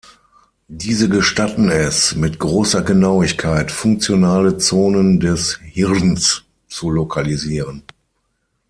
Diese gestatten es, mit großer Genauigkeit funktionale Zonen des Hirns zu lokalisieren.